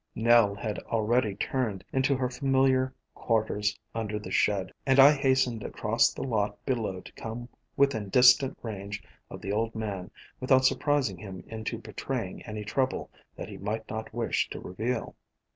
Nell had already turned into her familiar quar ters under the shed, and I hastened across the lot below to come within distant range of the old man without surprising him into betraying any trouble that he might not wish to reveal.